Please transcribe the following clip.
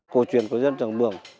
cổ truyền của dân trần mường